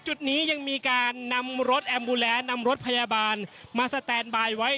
จุดนี้ยังมีการนำรถแอมบูแลนดนำรถพยาบาลมาสแตนบายไว้